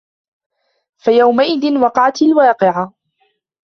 فيومئذ وقعت الواقعة